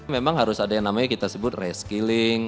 memang harus ada yang namanya kita sebut reskilling